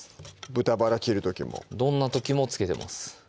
豚バラ切る時もどんな時もつけてます